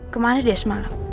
kemarin dia semalam